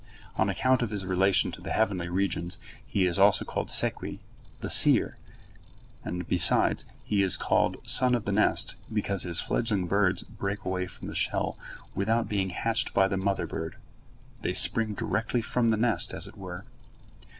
On account of his relation to the heavenly regions he is also called Sekwi, the seer, and, besides, he is called "son of the nest," because his fledgling birds break away from the shell without being hatched by the mother bird; they spring directly from the nest, as it were.